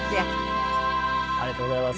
ありがとうございます。